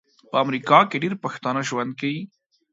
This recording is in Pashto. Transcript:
په امریکا کې ډیر پښتانه ژوند کوي